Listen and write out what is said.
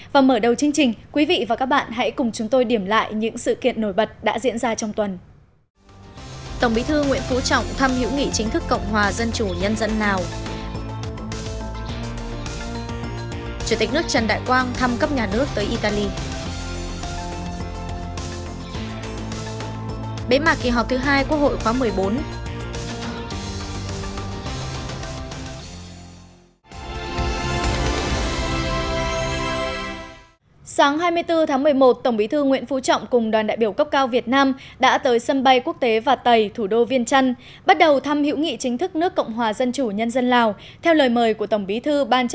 và mở đầu chương trình quý vị và các bạn hãy cùng chúng tôi điểm lại những sự kiện nổi bật đã diễn ra trong tuần